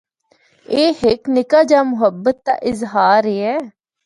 ایہہ ہک نکا جا محبت دا اظہار ایہا۔